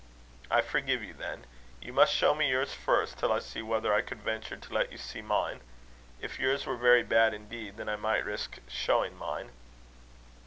"I forgive you, then. You must show me yours first, till I see whether I could venture to let you see mine. If yours were very bad indeed, then I might risk showing mine."